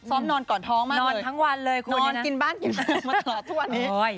ซ้อมนอนก่อนท้องมากเลยนอนทั้งวันเลยคุณนอนกินบ้านมะกราบทั่วนี้